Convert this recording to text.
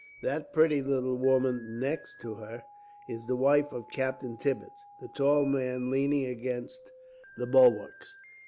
That pretty little woman, next to her, is the wife of Captain Tibbets, the tall man leaning against the bulwarks.